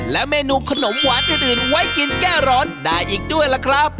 และเมนูขนมหวานอื่นไว้กินแก้ร้อนได้อีกด้วยล่ะครับ